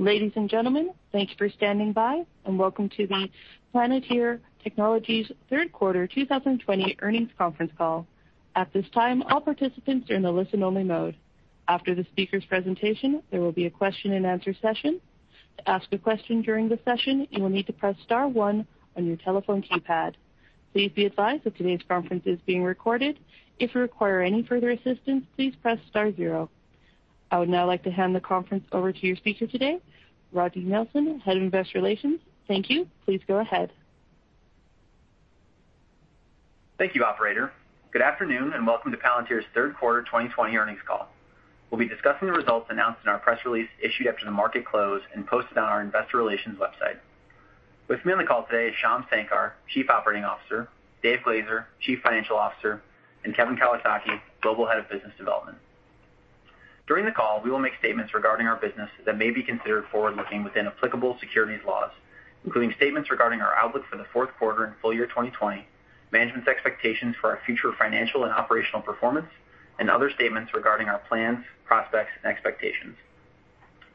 Ladies and gentlemen, thank you for standing by and welcome to the Palantir Technologies third quarter 2020 earnings conference call. At this time all participants are on listen only mode after the speakers presentation there will be a Q&A session. To ask a question during the session you will need to press star one on your telephone keypad. Please be advised that today's conference is being recorded. If you require any further assistance please press star zero. I would now like to hand the conference over to your speaker today, Rodney Nelson, Head of Investor Relations. Thank you. Please go ahead. Thank you, operator. Good afternoon, welcome to Palantir's third quarter 2020 earnings call. We'll be discussing the results announced in our press release issued after the market close and posted on our investor relations website. With me on the call today is Shyam Sankar, Chief Operating Officer, Dave Glazer, Chief Financial Officer, and Kevin Kawasaki, Global Head of Business Development. During the call, we will make statements regarding our business that may be considered forward-looking within applicable securities laws, including statements regarding our outlook for the fourth quarter and full year 2020, management's expectations for our future financial and operational performance, and other statements regarding our plans, prospects, and expectations.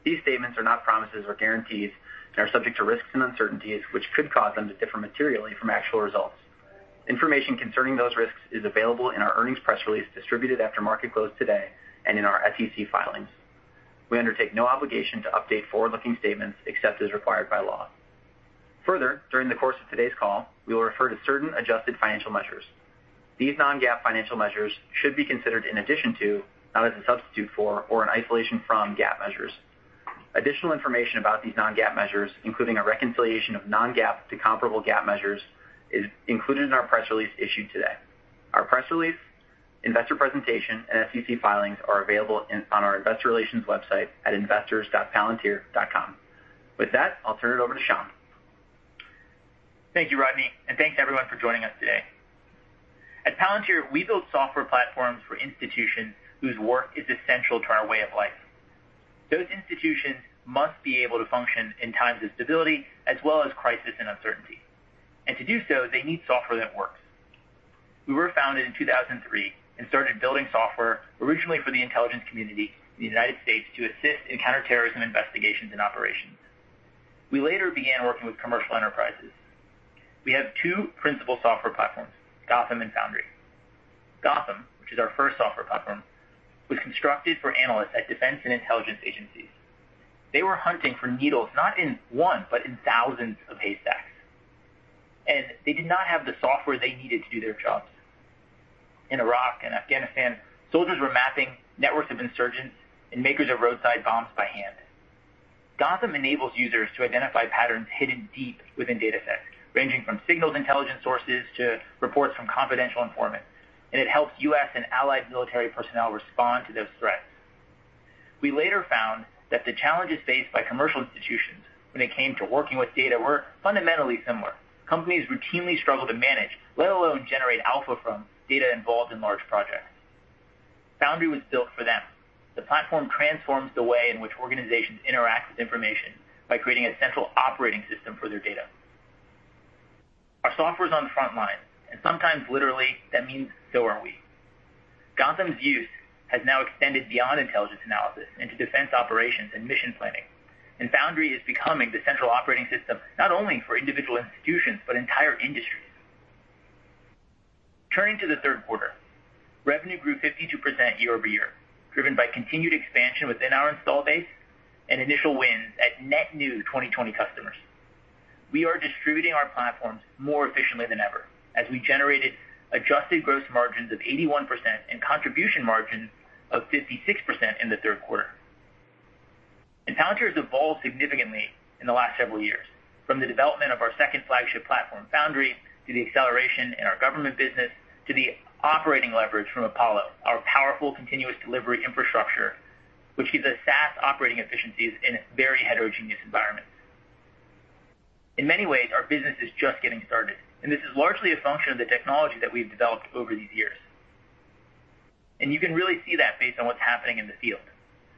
These statements are not promises or guarantees and are subject to risks and uncertainties, which could cause them to differ materially from actual results. Information concerning those risks is available in our earnings press release distributed after market close today and in our SEC filings. We undertake no obligation to update forward-looking statements except as required by law. Further, during the course of today's call, we will refer to certain adjusted financial measures. These non-GAAP financial measures should be considered in addition to, not as a substitute for, or in isolation from GAAP measures. Additional information about these non-GAAP measures, including a reconciliation of non-GAAP to comparable GAAP measures, is included in our press release issued today. Our press release, investor presentation, and SEC filings are available on our investor relations website at investors.palantir.com. With that, I'll turn it over to Shyam. Thank you, Rodney, and thanks, everyone, for joining us today. At Palantir, we build software platforms for institutions whose work is essential to our way of life. Those institutions must be able to function in times of stability as well as crisis and uncertainty. To do so, they need software that works. We were founded in 2003 and started building software originally for the intelligence community in the United States to assist in counterterrorism investigations and operations. We later began working with commercial enterprises. We have two principal software platforms, Gotham and Foundry. Gotham, which is our first software platform, was constructed for analysts at defense and intelligence agencies. They were hunting for needles, not in one, but in thousands of haystacks, and they did not have the software they needed to do their jobs. In Iraq and Afghanistan, soldiers were mapping networks of insurgents and makers of roadside bombs by hand. Gotham enables users to identify patterns hidden deep within datasets, ranging from signals intelligence sources to reports from confidential informants, and it helps U.S. and allied military personnel respond to those threats. We later found that the challenges faced by commercial institutions when it came to working with data were fundamentally similar. Companies routinely struggle to manage, let alone generate alpha from data involved in large projects. Foundry was built for them. The platform transforms the way in which organizations interact with information by creating a central operating system for their data. Our software's on the front line, and sometimes literally that means so are we. Gotham's use has now extended beyond intelligence analysis into defense operations and mission planning, and Foundry is becoming the central operating system, not only for individual institutions, but entire industries. Turning to the third quarter, revenue grew 52% year-over-year, driven by continued expansion within our install base and initial wins at net new 2020 customers. We are distributing our platforms more efficiently than ever as we generated adjusted gross margins of 81% and contribution margins of 56% in the third quarter. Palantir has evolved significantly in the last several years, from the development of our second flagship platform, Foundry, to the acceleration in our government business, to the operating leverage from Apollo, our powerful continuous delivery infrastructure, which gives us SaaS operating efficiencies in very heterogeneous environments. In many ways, our business is just getting started, and this is largely a function of the technology that we've developed over these years. You can really see that based on what's happening in the field.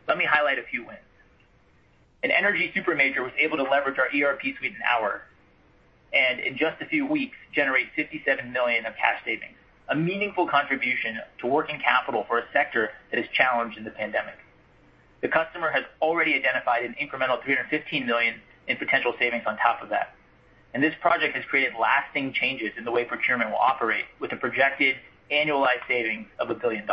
Let me highlight a few wins. An energy super major was able to leverage our ERP suite in an hour, and in just a few weeks, generate $57 million of cash savings, a meaningful contribution to working capital for a sector that is challenged in the pandemic. The customer has already identified an incremental $315 million in potential savings on top of that, and this project has created lasting changes in the way procurement will operate with a projected annualized savings of $1 billion.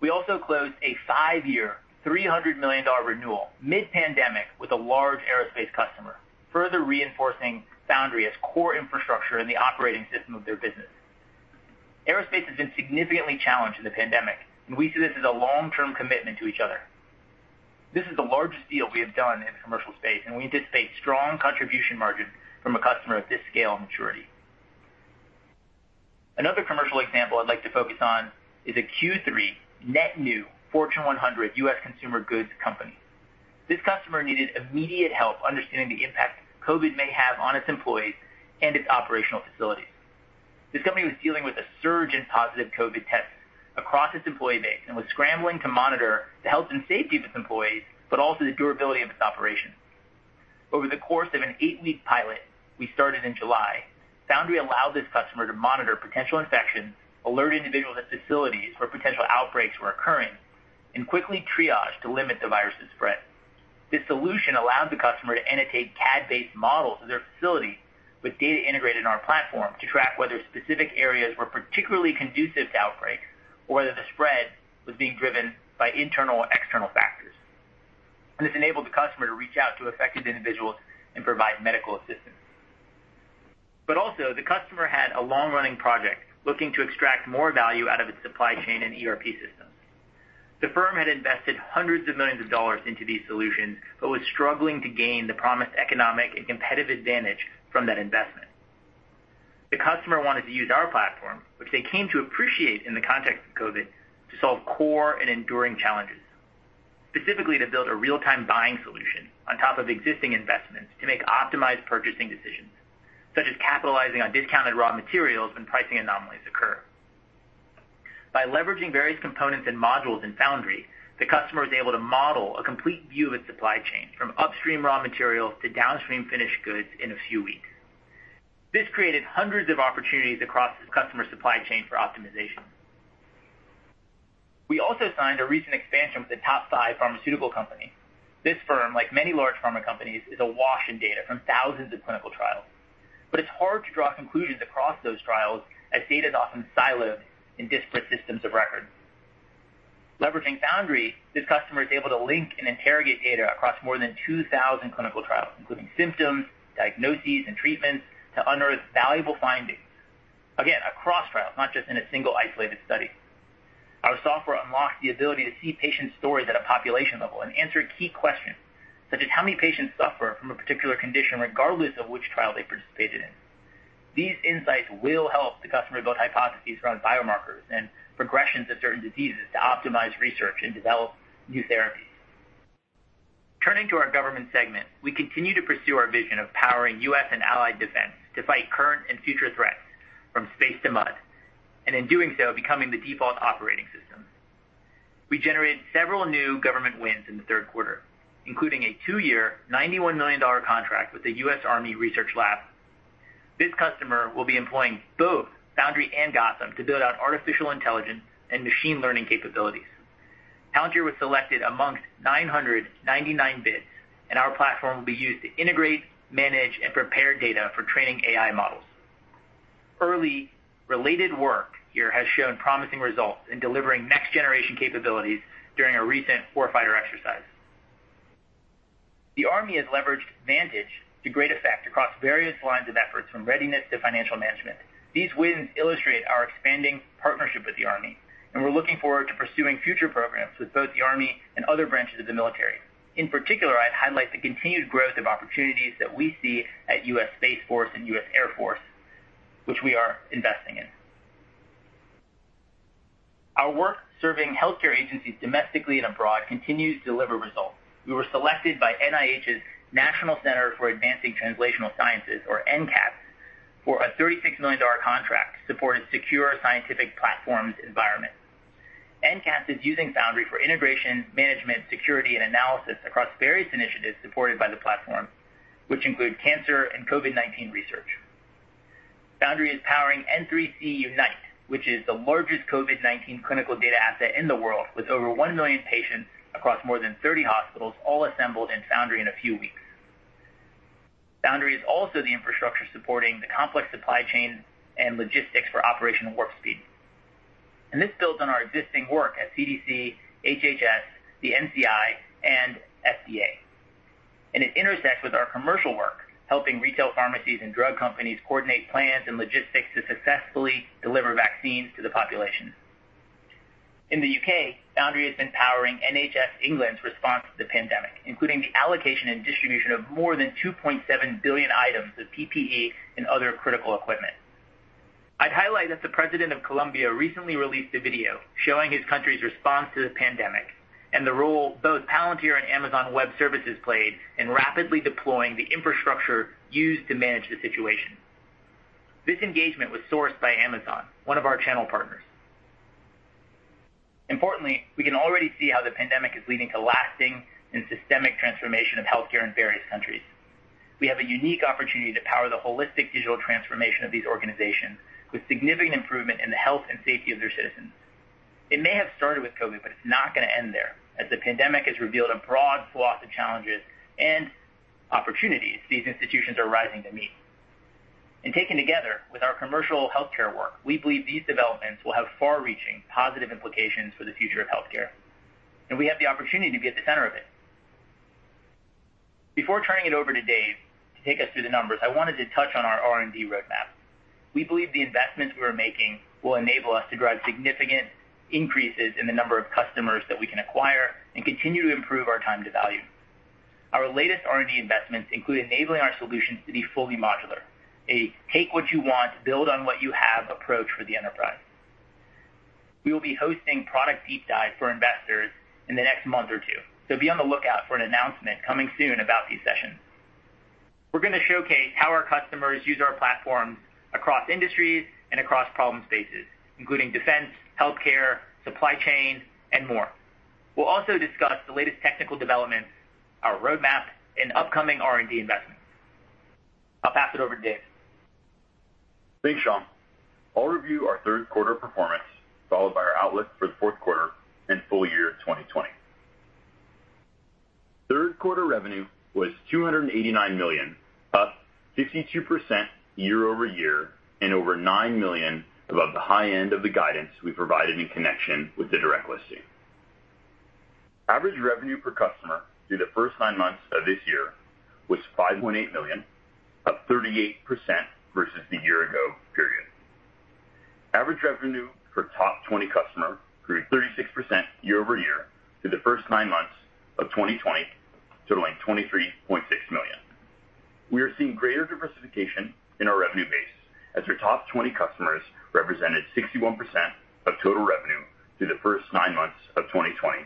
We also closed a five year, $300 million renewal mid-pandemic with a large aerospace customer, further reinforcing Foundry as core infrastructure in the operating system of their business. Aerospace has been significantly challenged in the pandemic, we see this as a long-term commitment to each other. This is the largest deal we have done in the commercial space, we anticipate strong contribution margins from a customer of this scale and maturity. Another commercial example I'd like to focus is a Q3 net new Fortune 100 U.S. consumer goods company. This customer needed immediate help understanding the impact COVID may have on its employees and its operational facilities. This company was dealing with a surge in positive COVID tests across its employee base and was scrambling to monitor the health and safety of its employees, but also the durability of its operations. Over the course of an eight-week pilot we started in July, Foundry allowed this customer to monitor potential infections, alert individuals at facilities where potential outbreaks were occurring, and quickly triage to limit the virus's spread. This solution allowed the customer to annotate CAD-based models of their facility with data integrated in our platform to track whether specific areas were particularly conducive to outbreaks or that the spread was being driven by internal or external factors. This enabled the customer to reach out to affected individuals and provide medical assistance. Also, the customer had a long-running project looking to extract more value out of its supply chain and ERP systems. The firm had invested hundreds of millions of dollars into these solutions, but was struggling to gain the promised economic and competitive advantage from that investment. The customer wanted to use our platform, which they came to appreciate in the context of COVID, to solve core and enduring challenges, specifically to build a real-time buying solution on top of existing investments to make optimized purchasing decisions, such as capitalizing on discounted raw materials when pricing anomalies occur. By leveraging various components and modules in Foundry, the customer was able to model a complete view of its supply chain from upstream raw materials to downstream finished goods in a few weeks. This created hundreds of opportunities across this customer's supply chain for optimization. We also signed a recent expansion with a top five pharmaceutical company. This firm, like many large pharma companies, is awash in data from thousands of clinical trials, but it's hard to draw conclusions across those trials as data is often siloed in disparate systems of record. Leveraging Foundry, this customer is able to link and interrogate data across more than 2,000 clinical trials, including symptoms, diagnoses, and treatments to unearth valuable findings. Again, across trials, not just in a single isolated study. Our software unlocked the ability to see patient stories at a population level and answer key questions, such as how many patients suffer from a particular condition regardless of which trial they participated in. These insights will help the customer build hypotheses around biomarkers and progressions of certain diseases to optimize research and develop new therapies. Turning to our government segment, we continue to pursue our vision of powering U.S. and allied defense to fight current and future threats from space to mud, and in doing so, becoming the default operating system. We generated several new government wins in the third quarter, including a two-year, $91 million contract with the U.S. Army Research Laboratory. This customer will be employing both Foundry and Gotham to build out artificial intelligence and machine learning capabilities. Palantir was selected amongst 999 bids, and our platform will be used to integrate, manage, and prepare data for training AI models. Early related work here has shown promising results in delivering next-generation capabilities during a recent warfighter exercise. The Army has leveraged Vantage to great effect across various lines of efforts from readiness to financial management. These wins illustrate our expanding partnership with the Army, and we're looking forward to pursuing future programs with both the Army and other branches of the military. In particular, I'd highlight the continued growth of opportunities that we see at U.S. Space Force and U.S. Air Force, which we are investing in. Our work serving healthcare agencies domestically and abroad continues to deliver results. We were selected by NIH's National Center for Advancing Translational Sciences, or NCATS, for a $36 million contract to support a secure scientific platforms environment. NCATS is using Foundry for integration, management, security, and analysis across various initiatives supported by the platform, which include cancer and COVID-19 research. Foundry is powering N3C Unite, which is the largest COVID-19 clinical data asset in the world, with over 1 million patients across more than 30 hospitals all assembled in Foundry in a few weeks. Foundry is also the infrastructure supporting the complex supply chain and logistics for Operation Warp Speed. This builds on our existing work at CDC, HHS, the NCI, and FDA. It intersects with our commercial work, helping retail pharmacies and drug companies coordinate plans and logistics to successfully deliver vaccines to the population. In the U.K., Foundry has been powering NHS England's response to the pandemic, including the allocation and distribution of more than 2.7 billion items of PPE and other critical equipment. I'd highlight that the president of Colombia recently released a video showing his country's response to the pandemic and the role both Palantir and Amazon Web Services played in rapidly deploying the infrastructure used to manage the situation. This engagement was sourced by Amazon, one of our channel partners. Importantly, we can already see how the pandemic is leading to lasting and systemic transformation of healthcare in various countries. We have a unique opportunity to power the holistic digital transformation of these organizations with significant improvement in the health and safety of their citizens. It may have started with COVID, but it's not gonna end there, as the pandemic has revealed a broad swath of challenges and opportunities these institutions are rising to meet. Taken together with our commercial healthcare work, we believe these developments will have far-reaching positive implications for the future of healthcare, and we have the opportunity to be at the center of it. Before turning it over to Dave to take us through the numbers, I wanted to touch on our R&D roadmap. We believe the investments we're making will enable us to drive significant increases in the number of customers that we can acquire and continue to improve our time to value. Our latest R&D investments include enabling our solutions to be fully modular, a take what you want, build on what you have approach for the enterprise. We will be hosting product deep dive for investors in the next month or two, so be on the lookout for an announcement coming soon about these sessions. We're gonna showcase how our customers use our platforms across industries and across problem spaces, including defense, healthcare, supply chain, and more. We'll also discuss the latest technical developments, our roadmap and upcoming R&D investments. I'll pass it over to Dave. Thanks, Shyam. I'll review our third quarter performance, followed by our outlook for the fourth quarter and full year 2020. Third quarter revenue was $289 million, up 52% year-over-year and over $9 million above the high end of the guidance we provided in connection with the direct listing. Average revenue per customer through the first nine months of this year was $5.8 million, up 38% versus the year-ago period. Average revenue for top 20 customer grew 36% year-over-year through the first nine months of 2020, totaling $23.6 million. We are seeing greater diversification in our revenue base as our top 20 customers represented 61% of total revenue through the first nine months of 2020,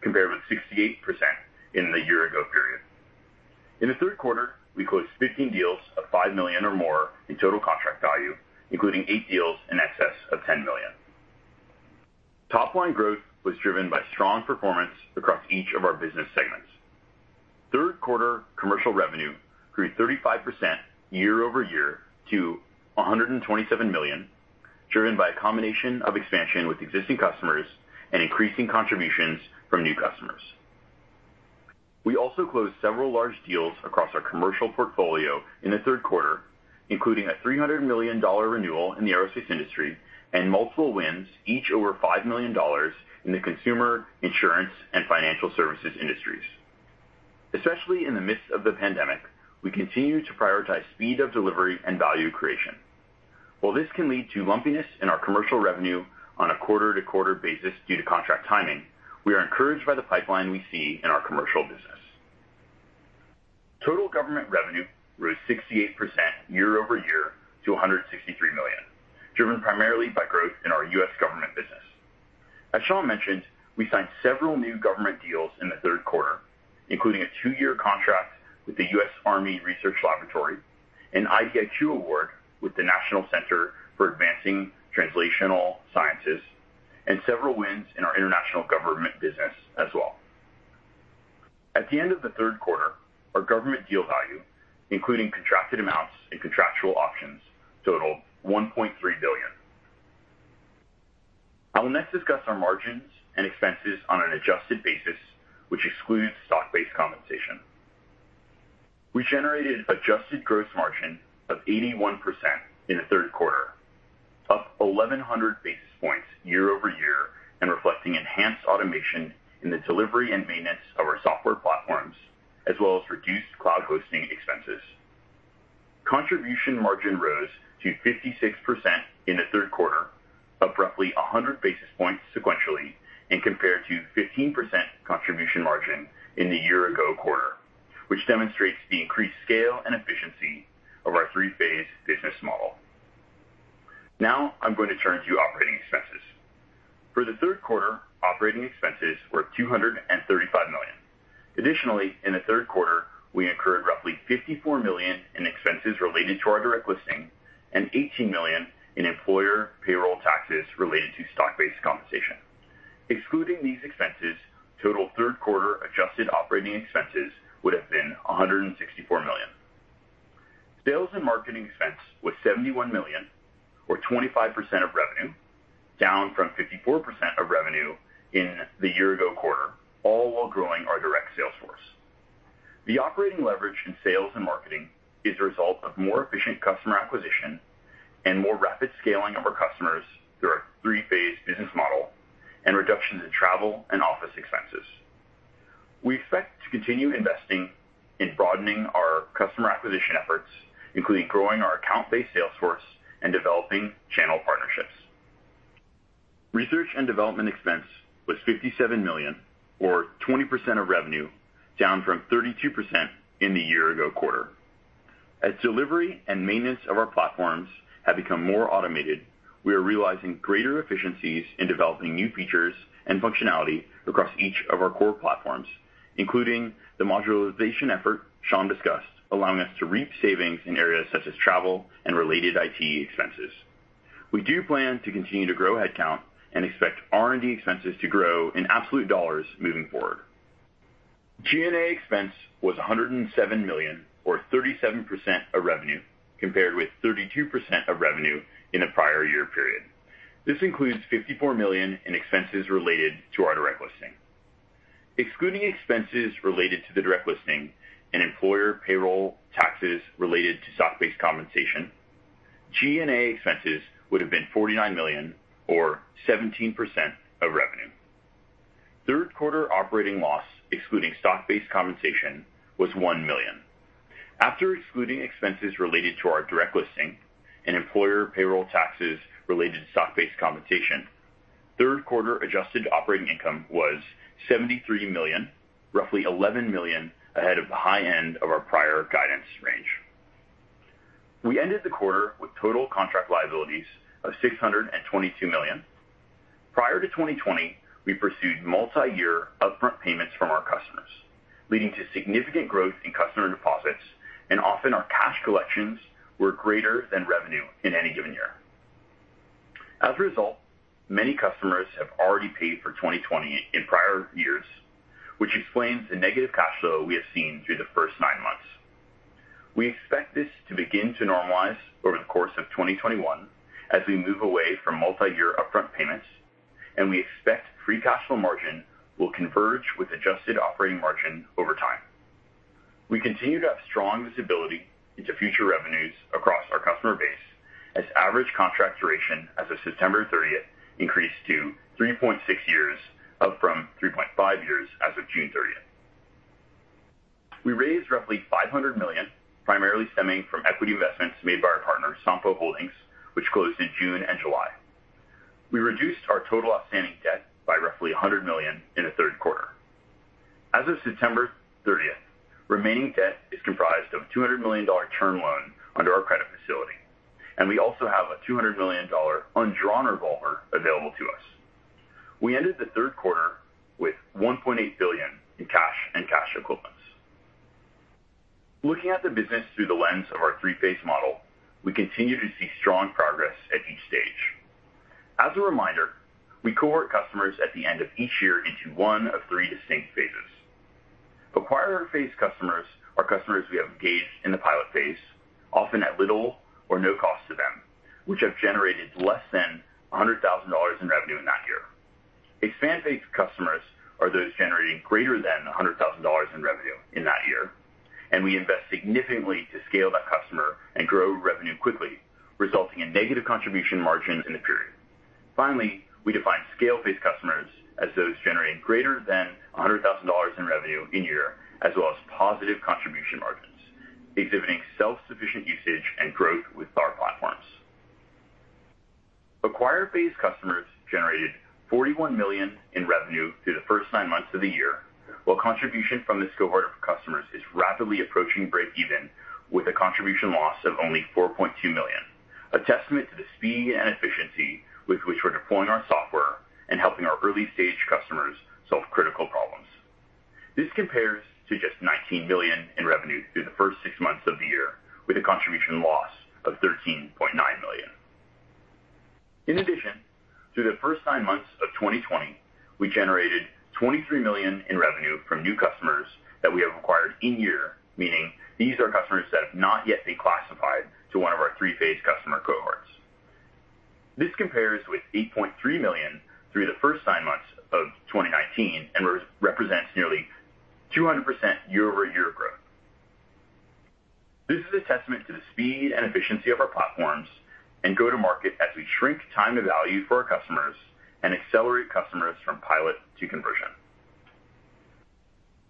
compared with 68% in the year-ago period. In the third quarter, we closed 15 deals of $5 million or more in total contract value, including eight deals in excess of $10 million. Top line growth was driven by strong performance across each of our business segments. Third quarter commercial revenue grew 35% year-over-year to $127 million, driven by a combination of expansion with existing customers and increasing contributions from new customers. We also closed several large deals across our commercial portfolio in the third quarter, including a $300 million renewal in the aerospace industry and multiple wins, each over $5 million in the consumer, insurance and financial services industries. Especially in the midst of the pandemic, we continue to prioritize speed of delivery and value creation. While this can lead to lumpiness in our commercial revenue on a quarter-to-quarter basis due to contract timing, we are encouraged by the pipeline we see in our commercial business. Total government revenue grew 68% year-over-year to $163 million, driven primarily by growth in our U.S. government business. As Shyam mentioned, we signed several new government deals in the third quarter, including a two year contract with the U.S. Army Research Laboratory, an IDIQ award with the National Center for Advancing Translational Sciences, and several wins in our international government business as well. At the end of the third quarter, our government deal value, including contracted amounts and contractual options, totaled $1.3 billion. I will next discuss our margins and expenses on an adjusted basis, which excludes stock-based compensation. We generated adjusted gross margin of 81% in the third quarter, up 1,100 basis points year-over-year, and reflecting enhanced automation in the delivery and maintenance of our software platforms, as well as reduced cloud hosting expenses. Contribution margin rose to 56% in the third quarter, up roughly 100 basis points sequentially and compared to 15% contribution margin in the year-ago quarter, which demonstrates the increased scale and efficiency of our three-phase business model. I'm going to turn to operating expenses. For the third quarter, operating expenses were $235 million. Additionally, in the third quarter, we incurred roughly $54 million in expenses related to our direct listing and $18 million in employer payroll taxes related to stock-based compensation. Excluding these expenses, total third quarter adjusted operating expenses would have been $164 million. Sales and marketing expense was $71 million or 25% of revenue, down from 54% of revenue in the year-ago quarter, all while growing our direct sales force. The operating leverage in sales and marketing is a result of more efficient customer acquisition and more rapid scaling of our customers through our three-phase business model and reductions in travel and office expenses. We expect to continue investing in broadening our customer acquisition efforts, including growing our account-based sales force and developing channel partnerships. Research and development expense was $57 million or 20% of revenue, down from 32% in the year-ago quarter. As delivery and maintenance of our platforms have become more automated, we are realizing greater efficiencies in developing new features and functionality across each of our core platforms, including the modularization effort Shyam discussed, allowing us to reap savings in areas such as travel and related IT expenses. We do plan to continue to grow headcount and expect R&D expenses to grow in absolute dollars moving forward. G&A expense was $107 million or 37% of revenue, compared with 32% of revenue in the prior year period. This includes $54 million in expenses related to our direct listing. Excluding expenses related to the direct listing and employer payroll taxes related to stock-based compensation, G&A expenses would have been $49 million or 17% of revenue. Third quarter operating loss, excluding stock-based compensation, was $1 million. After excluding expenses related to our direct listing and employer payroll taxes related to stock-based compensation, third quarter adjusted operating income was $73 million, roughly $11 million ahead of the high end of our prior guidance range. We ended the quarter with total contract liabilities of $622 million. Prior to 2020, we pursued multi-year upfront payments from our customers, leading to significant growth in customer deposits, and often our cash collections were greater than revenue in any given year. As a result, many customers have already paid for 2020 in prior years, which explains the negative cash flow we have seen through the first nine months. We expect this to begin to normalize over the course of 2021 as we move away from multi-year upfront payments, and we expect free cash flow margin will converge with adjusted operating margin over time. We continue to have strong visibility into future revenues across our customer base as average contract duration as of September 30th increased to 3.6 years, up from 3.5 years as of June 30th. We raised roughly $500 million, primarily stemming from equity investments made by our partner, Sompo Holdings, which closed in June and July. We reduced our total outstanding debt by roughly $100 million in the third quarter. As of September 30th, remaining debt is comprised of a $200 million term loan under our credit facility, and we also have a $200 million undrawn revolver available to us. We ended the third quarter with $1.8 billion in cash and cash equivalents. Looking at the business through the lens of our three-phase model, we continue to see strong progress at each stage. As a reminder, we cohort customers at the end of each year into one of three distinct phases. Acquire phase customers are customers we have engaged in the pilot phase, often at little or no cost to them, which have generated less than $100,000 in revenue in that year. Expand phase customers are those generating greater than $100,000 in revenue in that year. We invest significantly to scale that customer and grow revenue quickly, resulting in negative contribution margin in the period. Finally, we define scale-based customers as those generating greater than $100,000 in revenue in year, as well as positive contribution margins, exhibiting self-sufficient usage and growth with our platforms. Acquire phase customers generated $41 million in revenue through the first nine months of the year, while contribution from this cohort of customers is rapidly approaching breakeven with a contribution loss of only $4.2 million, a testament to the speed and efficiency with which we're deploying our software and helping our early-stage customers solve critical problems. This compares to just $19 million in revenue through the first six months of the year with a contribution loss of $13.9 million. Through the first nine months of 2020, we generated $23 million in revenue from new customers that we have acquired in year, meaning these are customers that have not yet been classified to one of our three-phase customer cohorts. This compares with $8.3 million through the first nine months of 2019 and represents nearly 200% year-over-year growth. This is a testament to the speed and efficiency of our platforms and go-to-market as we shrink time to value for our customers and accelerate customers from pilot to conversion.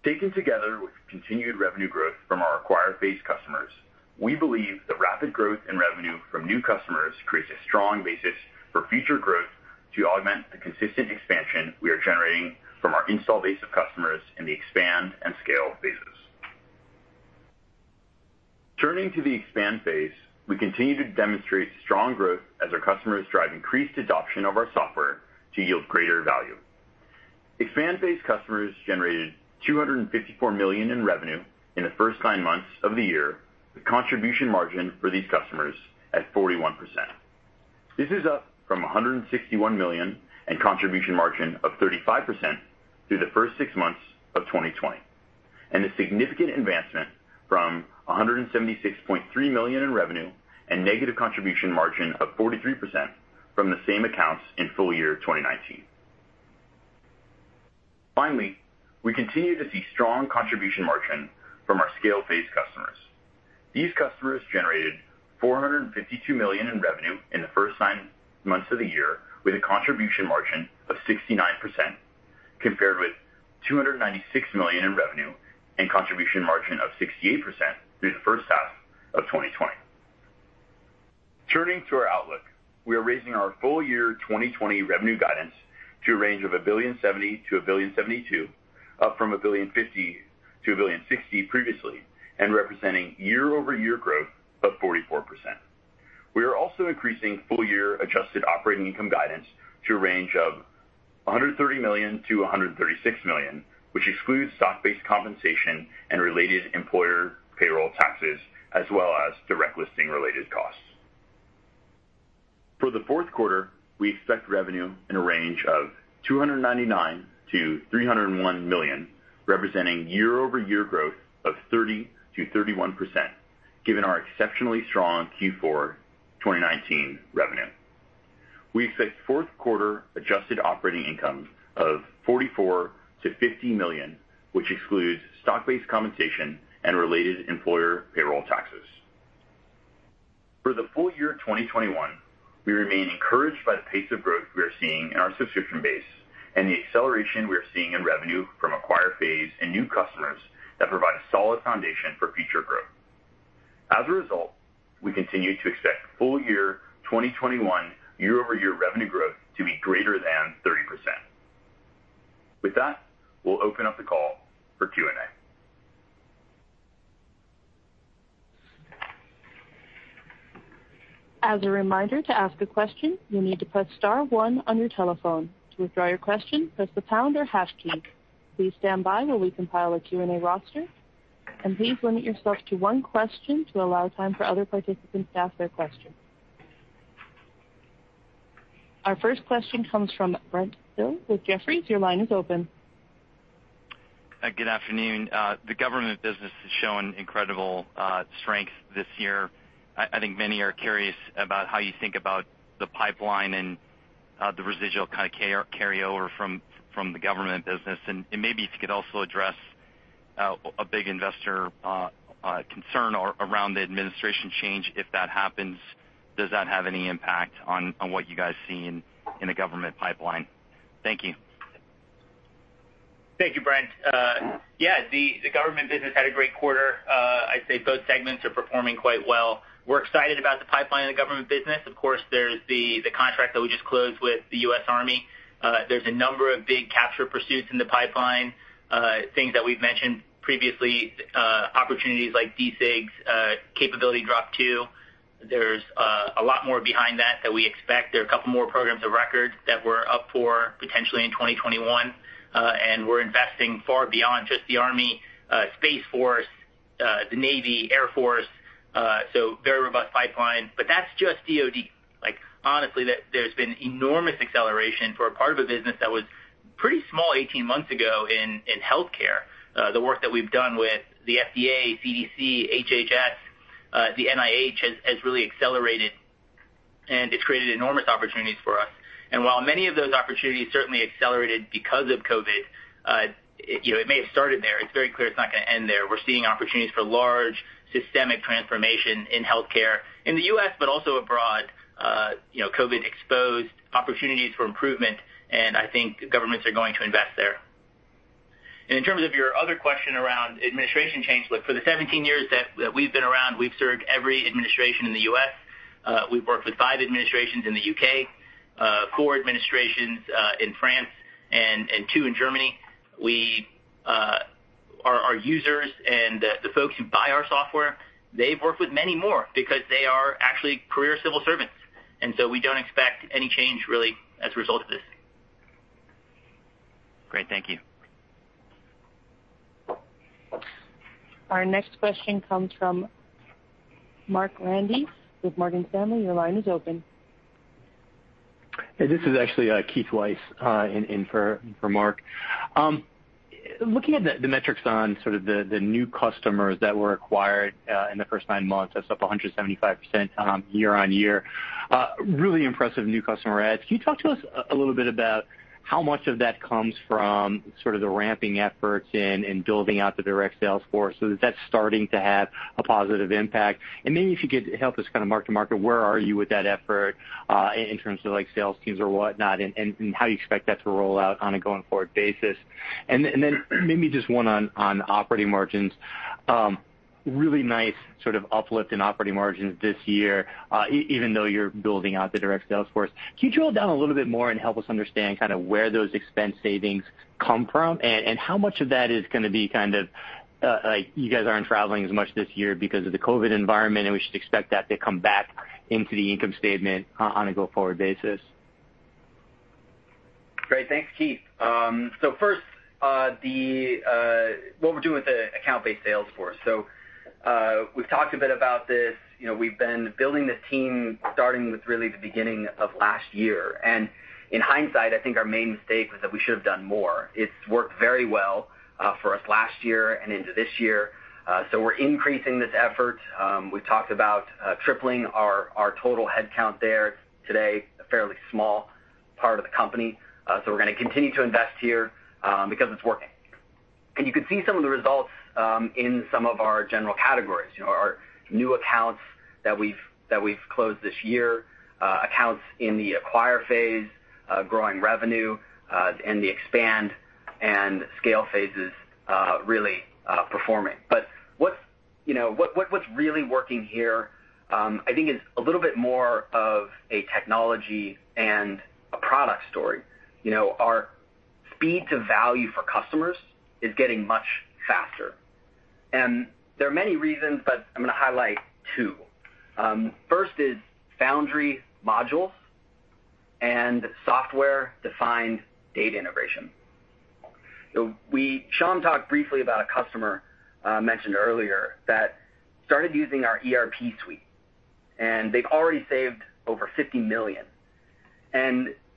Taken together with continued revenue growth from our acquire phase customers, we believe the rapid growth in revenue from new customers creates a strong basis for future growth to augment the consistent expansion we are generating from our install base of customers in the expand and scale phases. Turning to the expand phase, we continue to demonstrate strong growth as our customers drive increased adoption of our software to yield greater value. Expand phase customers generated $254 million in revenue in the first nine months of the year, with contribution margin for these customers at 41%. This is up from $161 million and contribution margin of 35% through the first six months of 2020, and a significant advancement from $176.3 million in revenue and negative contribution margin of 43% from the same accounts in full year 2019. Finally, we continue to see strong contribution margin from our scale phase customers. These customers generated $452 million in revenue in the first 9 months of the year with a contribution margin of 69%, compared with $296 million in revenue and contribution margin of 68% through the first half of 2020. Turning to our outlook, we are raising our full year 2020 revenue guidance to a range of $1.07 billion-$1.072 billion, up from $1.05 billion-$1.06 billion previously, and representing year-over-year growth of 44%. We are also increasing full year adjusted operating income guidance to a range of $130 million-$136 million, which excludes stock-based compensation and related employer payroll taxes as well as direct listing related costs. For the fourth quarter, we expect revenue in a range of $299 million-$301 million, representing year-over-year growth of 30%-31%, given our exceptionally strong Q4 2019 revenue. We expect fourth quarter adjusted operating income of $44 million-$50 million, which excludes stock-based compensation and related employer payroll taxes. For the full year 2021, we remain encouraged by the pace of growth we are seeing in our subscription base and the acceleration we are seeing in revenue from acquire phase and new customers that provide a solid foundation for future growth. We continue to expect full year 2021 year-over-year revenue growth to be greater than. We'll open up the call for Q&A. As a a reminder to ask a question you need to press star one on your telephone. To withdraw your question press pound or hash key. Please stand by as we compile our Q&A roaster. Please stick to only one question to allow time for other participants to ask a question. Our first question comes from Brent Thill with Jefferies. Your line is open. Good afternoon. The government business has shown incredible strength this year. I think many are curious about how you think about the pipeline and the residual kind of carryover from the government business. Maybe if you could also address a big investor concern around the administration change. If that happens, does that have any impact on what you guys see in the government pipeline? Thank you. Thank you, Brent. Yeah, the government business had a great quarter. I'd say both segments are performing quite well. We're excited about the pipeline in the government business. Of course, there's the contract that we just closed with the U.S. Army. There's a number of big capture pursuits in the pipeline, things that we've mentioned previously, opportunities like DCGS, Capability Drop 2. There's a lot more behind that that we expect. There are two more programs of record that we're up for potentially in 2021. We're investing far beyond just the Army, Space Force, the Navy, Air Force, very robust pipeline. That's just DoD. Like, honestly, there's been enormous acceleration for a part of a business that was pretty small 18 months ago in healthcare. The work that we've done with the FDA, CDC, HHS, the NIH has really accelerated, and it's created enormous opportunities for us. While many of those opportunities certainly accelerated because of COVID, you know, it may have started there, it's very clear it's not gonna end there. We're seeing opportunities for large systemic transformation in healthcare in the U.S., but also abroad. You know, COVID exposed opportunities for improvement, and I think governments are going to invest there. In terms of your other question around administration change, look, for the 17 years that we've been around, we've served every administration in the U.S. We've worked with five administrations in the U.K., four administrations in France and two in Germany. Our users and the folks who buy our software, they've worked with many more because they are actually career civil servants, and so we don't expect any change really as a result of this. Great. Thank you. Our next question comes from Mark Andy with Morgan Stanley. Your line is open. Hey, this is actually Keith Weiss, in for Mark. Looking at the metrics on sort of the new customers that were acquired in the first nine months, that's up 175% year-on-year. Really impressive new customer adds. Can you talk to us a little bit about how much of that comes from sort of the ramping efforts in building out the direct sales force so that that's starting to have a positive impact? Maybe if you could help us kind of mark to market where are you with that effort in terms of like sales teams or whatnot and how you expect that to roll out on a going-forward basis. Then maybe just one on operating margins. Really nice sort of uplift in operating margins this year, even though you're building out the direct sales force. Can you drill down a little bit more and help us understand kind of where those expense savings come from and how much of that is gonna be kind of, like you guys aren't traveling as much this year because of the COVID environment, and we should expect that to come back into the income statement on a go-forward basis? Great. Thanks, Keith. First, what we're doing with the account-based sales force. We've talked a bit about this. You know, we've been building this team starting with really the beginning of last year. In hindsight, I think our main mistake was that we should have done more. It's worked very well for us last year and into this year. We're increasing this effort. We've talked about tripling our total headcount there today, a fairly small part of the company. We're gonna continue to invest here because it's working. You can see some of the results in some of our general categories. You know, our new accounts that we've closed this year, accounts in the acquire phase, growing revenue, and the expand and scale phases, really performing. What's, you know, what's really working here, I think is a little bit more of a technology and a product story. You know, our speed to value for customers is getting much faster. There are many reasons, but I'm gonna highlight two. First is Foundry modules and Software-Defined Data Integration. Shyam talked briefly about a customer mentioned earlier that started using our ERP suite, and they've already saved over $50 million.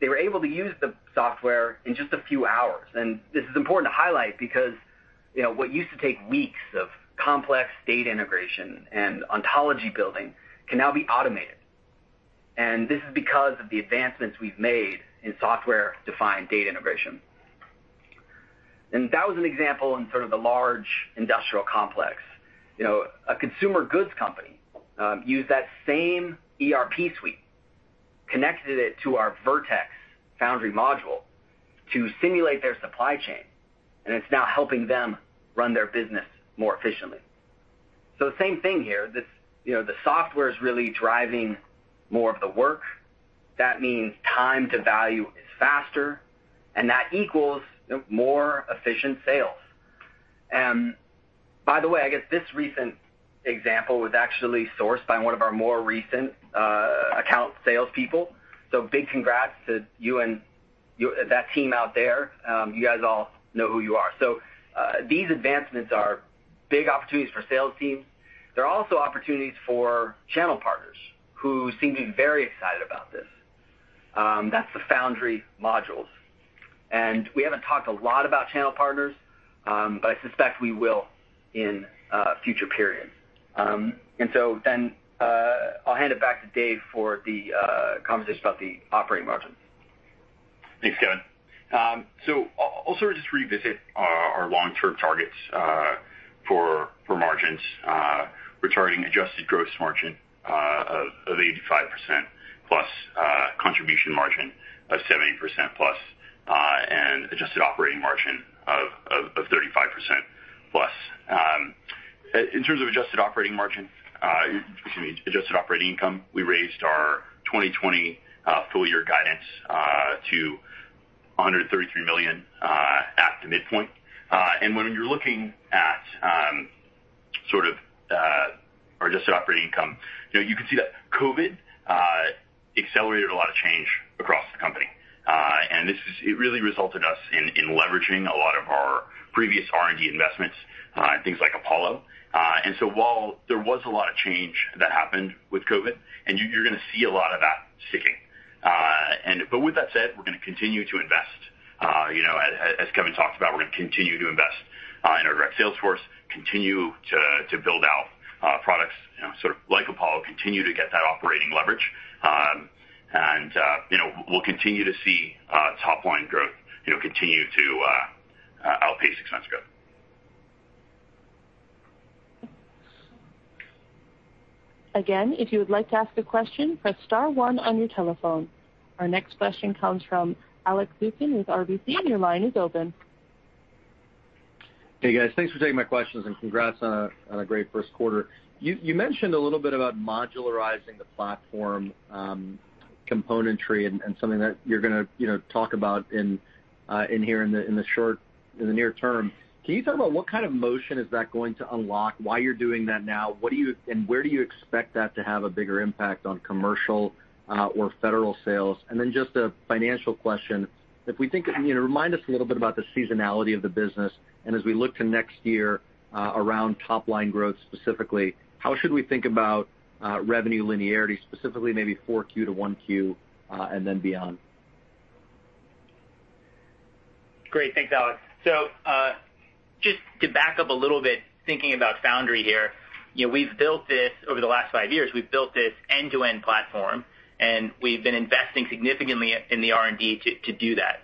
They were able to use the software in just a few hours. This is important to highlight because, you know, what used to take weeks of complex data integration and ontology building can now be automated, and this is because of the advancements we've made in Software-Defined Data Integration. That was an example in sort of a large industrial complex. You know, a consumer goods company, used that same ERP suite, connected it to our Vertex Foundry module to simulate their supply chain, and it's now helping them run their business more efficiently. Same thing here. You know, the software is really driving more of the work. That means time to value is faster, and that equals more efficient sales. By the way, I guess this recent example was actually sourced by one of our more recent, account salespeople. Big congrats to you and that team out there. You guys all know who you are. These advancements are big opportunities for sales teams. They're also opportunities for channel partners who seem to be very excited about this. That's the Foundry modules. We haven't talked a lot about channel partners, but I suspect we will in future periods. I'll hand it back to Dave for the conversation about the operating margins. Thanks, Kevin. I'll sort of just revisit our long-term targets for margins. We're targeting adjusted gross margin of 85%+, contribution margin of 70%+, and adjusted operating margin of 35%+. In terms of adjusted operating margin, excuse me, adjusted operating income, we raised our 2020 full year guidance to $133 million at the midpoint. When you're looking at sort of our adjusted operating income, you know, you can see that COVID accelerated a lot of change across the company. This really resulted us in leveraging a lot of our previous R&D investments, things like Apollo. While there was a lot of change that happened with COVID, you're gonna see a lot of that sticking. With that said, we're gonna continue to invest. You know, as Kevin talked about, we're gonna continue to invest in our direct sales force, continue to build out products, you know, sort of like Apollo, continue to get that operating leverage. You know, we'll continue to see top line growth, you know, continue to outpace expense growth. Again, if you would like to ask a question, press star one on your telephone. Our next question comes from Alex Zukin with RBC. Your line is open. Hey, guys. Thanks for taking my questions, and congrats on a great 1st quarter. You mentioned a little bit about modularizing the platform componentry and something that you're gonna, you know, talk about in here in the near term. Can you talk about what kind of motion is that going to unlock, why you're doing that now? Where do you expect that to have a bigger impact on commercial or federal sales? Then just a financial question. If we think of, you know, remind us a little bit about the seasonality of the business, as we look to next year around top line growth specifically, how should we think about revenue linearity, specifically maybe 4Q-1Q and then beyond? Great. Thanks, Alex. Just to back up a little bit, thinking about Foundry here, you know, we've built this over the last five years, we've built this end-to-end platform, and we've been investing significantly in the R&D to do that.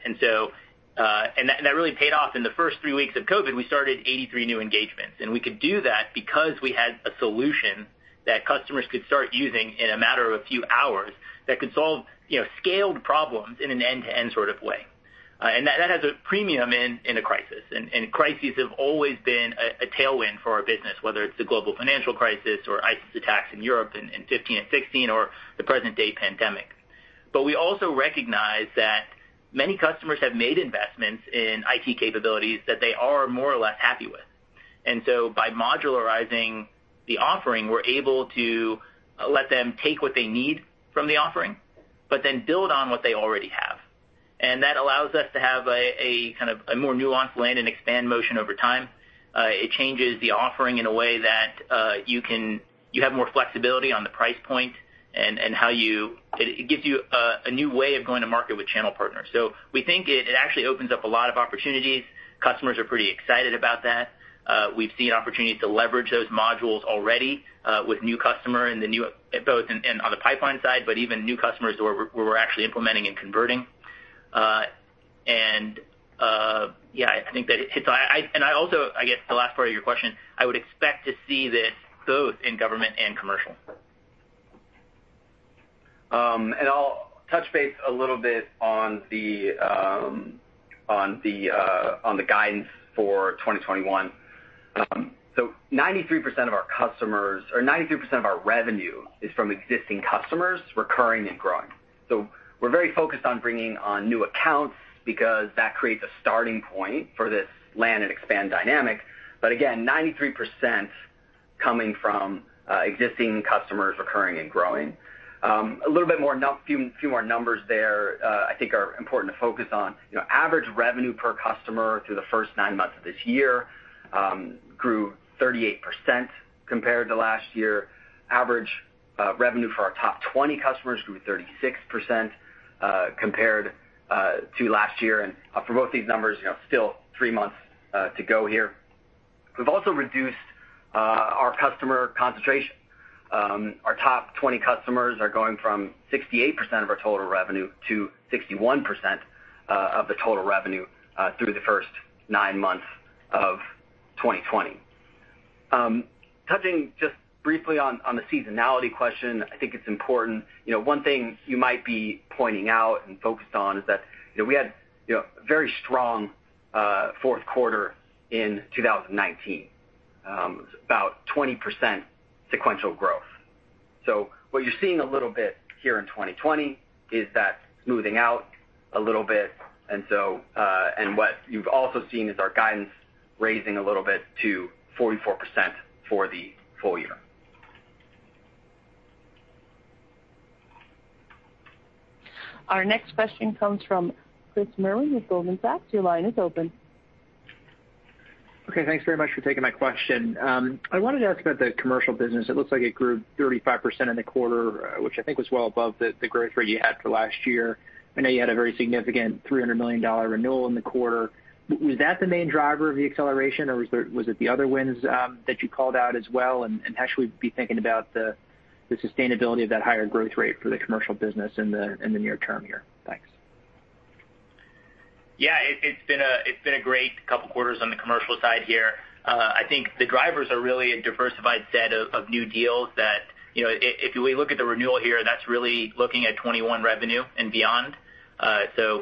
That really paid off. In the first three weeks of COVID, we started 83 new engagements, and we could do that because we had a solution that customers could start using in a matter of a few hours that could solve, you know, scaled problems in an end-to-end sort of way. That has a premium in a crisis. Crises have always been a tailwind for our business, whether it's the global financial crisis or ISIS attacks in Europe in 2015 and 2016 or the present-day pandemic. We also recognize that many customers have made investments in IT capabilities that they are more or less happy with. By modularizing the offering, we're able to let them take what they need from the offering but then build on what they already have. That allows us to have a kind of a more nuanced land and expand motion over time. It changes the offering in a way that you have more flexibility on the price point. It gives you a new way of going to market with channel partners. We think it actually opens up a lot of opportunities. Customers are pretty excited about that. We've seen opportunities to leverage those modules already with new customer and both in, on the pipeline side, but even new customers where we're actually implementing and converting. I think that I also, I guess the last part of your question, I would expect to see this both in government and commercial. I'll touch base a little bit on the on the guidance for 2021. 93% of our customers or 93% of our revenue is from existing customers recurring and growing. We're very focused on bringing on new accounts because that creates a starting point for this land and expand dynamic. Again, 93% coming from existing customers recurring and growing. A little bit more numbers there, I think are important to focus on. You know, average revenue per customer through the first nine months of this year grew 38% compared to last year. Average revenue for our top 20 customers grew 36% compared to last year. For both these numbers, you know, still three months to go here. We've also reduced our customer concentration. Our top 20 customers are going from 68% of our total revenue to 61% of the total revenue through the first nine months of 2020. Touching just briefly on the seasonality question, I think it's important. You know, one thing you might be pointing out and focused on is that, you know, we had, you know, very strong fourth quarter in 2019. About 20% sequential growth. What you're seeing a little bit here in 2020 is that smoothing out a little bit. What you've also seen is our guidance raising a little bit to 44% for the full year. Our next question comes from Chris Merwin with Goldman Sachs. Your line is open. Okay. Thanks very much for taking my question. I wanted to ask about the commercial business. It looks like it grew 35% in the quarter, which I think was well above the growth rate you had for last year. I know you had a very significant $300 million renewal in the quarter. Was that the main driver of the acceleration, or was it the other wins that you called out as well? How should we be thinking about the sustainability of that higher growth rate for the commercial business in the near term here? Thanks. Yeah. It's been a great couple quarters on the commercial side here. I think the drivers are really a diversified set of new deals that, you know, if we look at the renewal here, that's really looking at 21 revenue and beyond.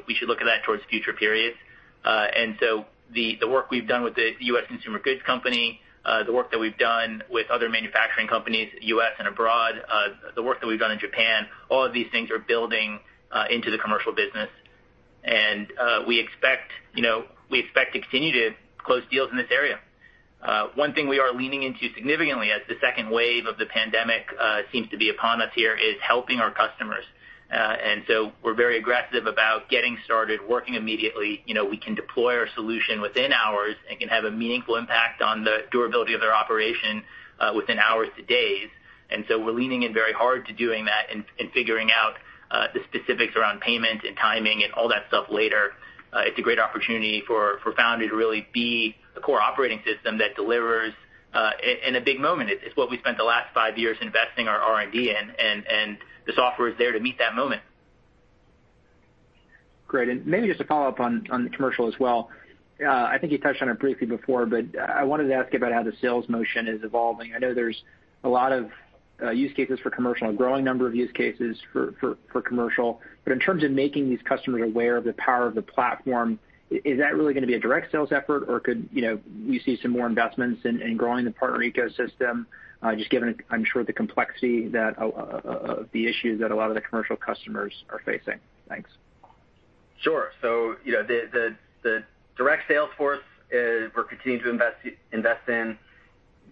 We should look at that towards future periods. The work we've done with the U.S. consumer goods company, the work that we've done with other manufacturing companies, U.S. and abroad, the work that we've done in Japan, all of these things are building into the commercial business. We expect, you know, to continue to close deals in this area. One thing we are leaning into significantly as the second wave of the pandemic seems to be upon us here, is helping our customers. We're very aggressive about getting started working immediately. You know, we can deploy our solution within hours and can have a meaningful impact on the durability of their operation within hours to days. We're leaning in very hard to doing that and figuring out the specifics around payment and timing and all that stuff later. It's a great opportunity for Foundry to really be a core operating system that delivers in a big moment. It's what we spent the last five years investing our R&D in and the software is there to meet that moment. Great. Maybe just a follow-up on the commercial as well. I think you touched on it briefly before, but I wanted to ask you about how the sales motion is evolving. I know there's a lot of use cases for commercial and growing number of use cases for commercial. In terms of making these customers aware of the power of the platform, is that really gonna be a direct sales effort, or could, you know, we see some more investments in growing the partner ecosystem, just given, I'm sure the complexity that the issues that a lot of the commercial customers are facing. Thanks. Sure. You know, the direct sales force is we're continuing to invest in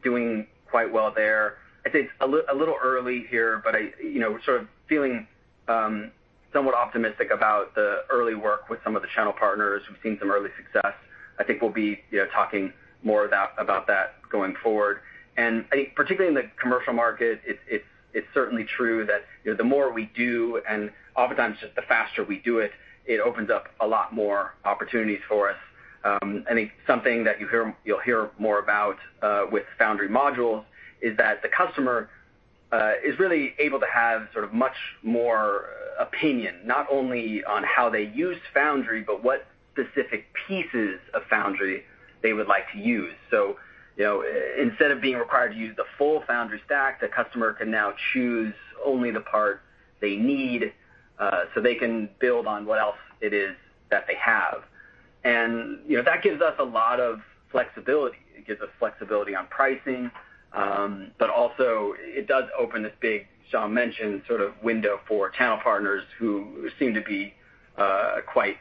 doing quite well there. I think it's a little early here, but I, you know, we're sort of feeling somewhat optimistic about the early work with some of the channel partners. We've seen some early success. I think we'll be, you know, talking more about that going forward. I think particularly in the commercial market, it's certainly true that, you know, the more we do and oftentimes just the faster we do it opens up a lot more opportunities for us. I think something that you'll hear more about with Foundry Module is that the customer is really able to have sort of much more opinion, not only on how they use Foundry, but what specific pieces of Foundry they would like to use. You know, instead of being required to use the full Foundry stack, the customer can now choose only the part they need, so they can build on what else it is that they have. You know, that gives us a lot of flexibility. It gives us flexibility on pricing, but also it does open this big, Shyam Sankar mentioned, sort of window for channel partners who seem to be quite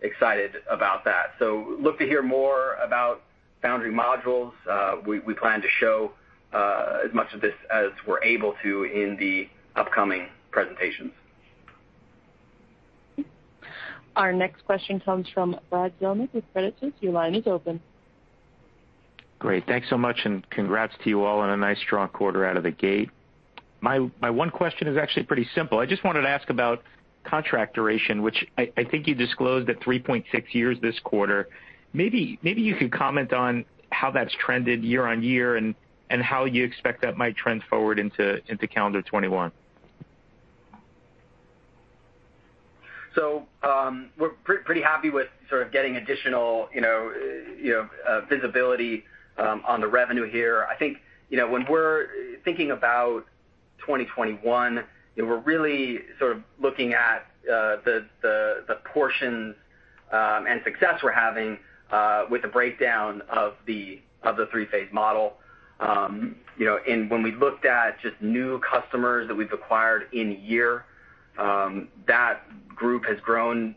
excited about that. Look to hear more about Foundry modules. We plan to show as much of this as we're able to in the upcoming presentations. Our next question comes from Brad Zelnick with Credit Suisse. Your line is open. Great. Thanks so much. Congrats to you all on a nice, strong quarter out of the gate. My one question is actually pretty simple. I just wanted to ask about contract duration, which I think you disclosed at 3.6 years this quarter. Maybe you could comment on how that's trended year-over-year and how you expect that might trend forward into calendar 2021. We're pretty happy with sort of getting additional, you know, you know, visibility on the revenue here. I think, you know, when we're thinking about 2021, you know, we're really sort of looking at the portion and success we're having with the breakdown of the three-phase model. You know, when we looked at just new customers that we've acquired in year, that group has grown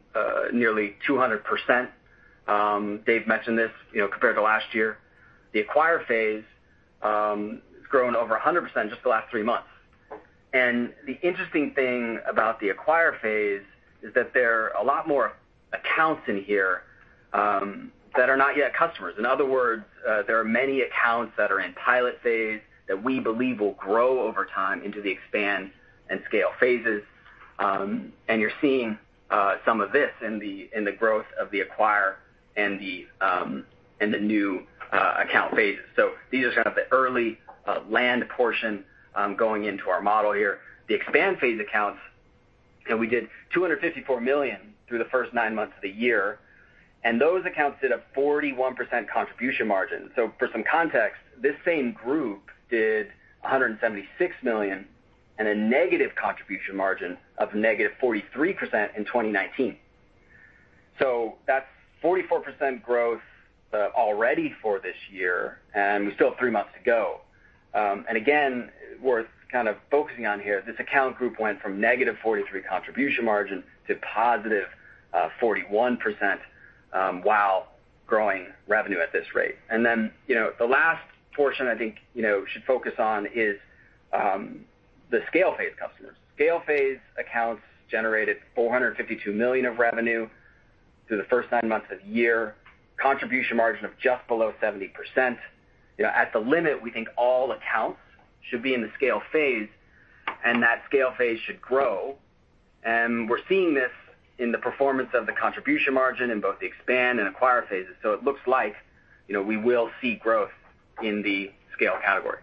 nearly 200%. Dave mentioned this, you know, compared to last year. The acquire phase has grown over 100% just the last 3 months. And the interesting thing about the acquire phase is that there are a lot more accounts in here that are not yet customers. In other words, there are many accounts that are in pilot phase that we believe will grow over time into the expand and scale phases. You're seeing some of this in the, in the growth of the acquire and the new account phases. These are kind of the early land portion going into our model here. The expand phase accounts, you know, we did $254 million through the first nine months of the year, and those accounts did a 41% contribution margin. For some context, this same group did $176 million and a negative contribution margin of negative 43% in 2019. That's 44% growth already for this year, and we still have three months to go. Worth kind of focusing on here, this account group went from negative 43 contribution margin to positive 41% while growing revenue at this rate. You know, the last portion I think, you know, should focus on is the scale phase customers. Scale phase accounts generated $452 million of revenue through the first nine months of the year, contribution margin of just below 70%. You know, at the limit, we think all accounts should be in the scale phase, and that scale phase should grow. We're seeing this in the performance of the contribution margin in both the expand and acquire phases. It looks like, you know, we will see growth in the scale category.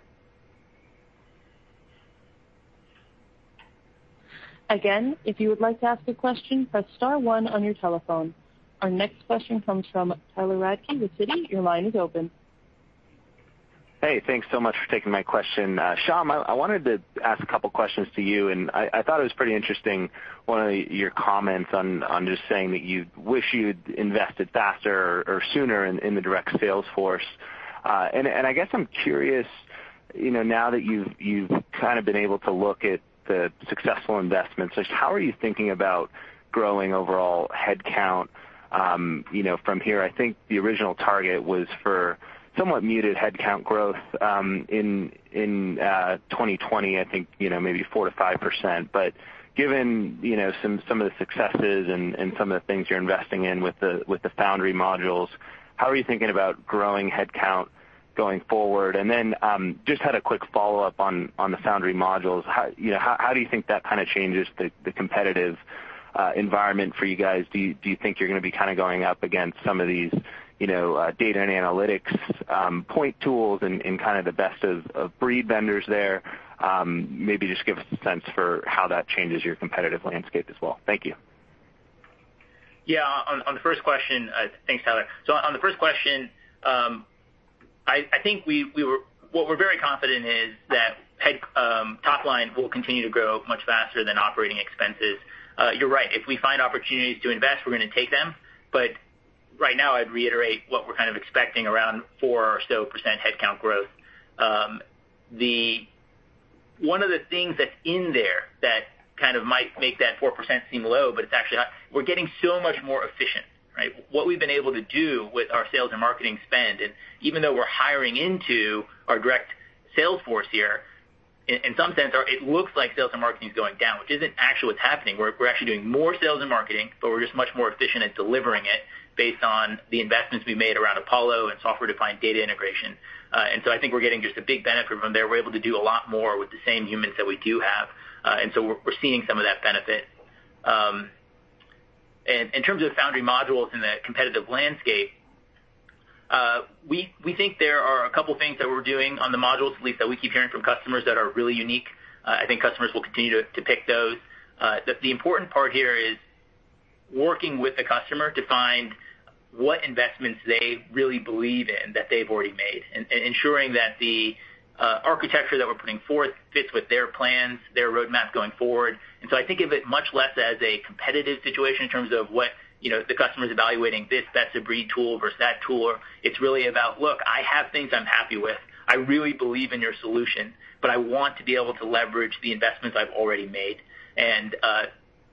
Again, if you would like to ask a question, press star one on your telephone. Our next question comes from Tyler Radke with Citi. Your line is open. Hey, thanks so much for taking my question. Shyam, I wanted to ask a couple questions to you, and I thought it was pretty interesting, one of your comments on just saying that you wish you'd invested faster or sooner in the direct sales force. I guess I'm curious, you know, now that you've kind of been able to look at the successful investments, just how are you thinking about growing overall headcount, you know, from here? I think the original target was for somewhat muted headcount growth in 2020, I think, you know, maybe 4%-5%. Given, you know, some of the successes and some of the things you're investing in with the Foundry modules, how are you thinking about growing headcount going forward? Just had a quick follow-up on the Foundry modules. You know, how do you think that kind of changes the competitive environment for you guys? Do you think you're gonna be kind of going up against some of these, you know, data and analytics point tools and kind of the best of breed vendors there? Maybe just give us a sense for how that changes your competitive landscape as well. Thank you. On, on the first question, thanks, Tyler. On the first question, I think we what we're very confident is that head, top line will continue to grow much faster than operating expenses. You're right. If we find opportunities to invest, we're gonna take them. Right now I'd reiterate what we're kind of expecting around 4% or so headcount growth. One of the things that's in there that kind of might make that 4% seem low, but it's actually not, we're getting so much more efficient, right? What we've been able to do with our sales and marketing spend, and even though we're hiring into our direct sales force here, in some sense, it looks like sales and marketing is going down, which isn't actually what's happening. We're actually doing more sales and marketing, but we're just much more efficient at delivering it based on the investments we made around Apollo and Software-Defined Data Integration. I think we're getting just a big benefit from there. We're able to do a lot more with the same humans that we do have. We're seeing some of that benefit. In terms of Foundry modules in the competitive landscape, we think there are a couple things that we're doing on the modules, at least that we keep hearing from customers that are really unique. I think customers will continue to pick those. The important part here is working with the customer to find what investments they really believe in that they've already made and ensuring that the architecture that we're putting forth fits with their plans, their roadmap going forward. I think of it much less as a competitive situation in terms of what, you know, the customer's evaluating this, best-of-tool versus that tool. It's really about, "Look, I have things I'm happy with. I really believe in your solution, but I want to be able to leverage the investments I've already made."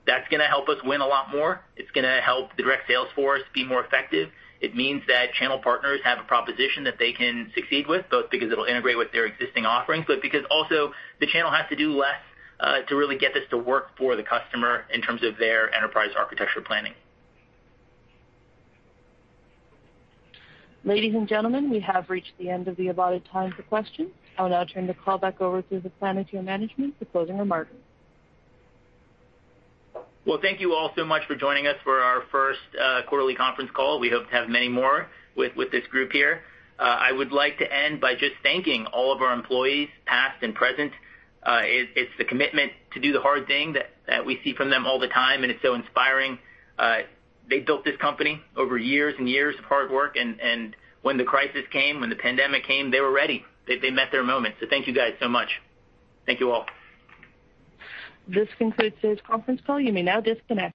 That's gonna help us win a lot more. It's gonna help the direct sales force be more effective. It means that channel partners have a proposition that they can succeed with, both because it'll integrate with their existing offerings, but because also the channel has to do less to really get this to work for the customer in terms of their enterprise architecture planning. Ladies and gentlemen, we have reached the end of the allotted time for questions. I'll now turn the call back over to the Palantir management for closing remarks. Well, thank you all so much for joining us for our first quarterly conference call. We hope to have many more with this group here. I would like to end by just thanking all of our employees, past and present. It's the commitment to do the hard thing that we see from them all the time, and it's so inspiring. They built this company over years and years of hard work, and when the crisis came, when the pandemic came, they were ready. They met their moment. Thank you guys so much. Thank you all. This concludes today's conference call. You may now disconnect.